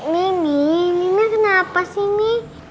mimi mimi kenapa sih